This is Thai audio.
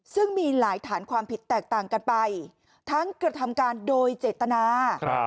ซึ่งมีหลายฐานความผิดแตกต่างกันไปทั้งกระทำการโดยเจตนา